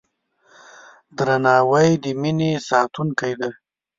درناوی د مینې ساتونکی دی.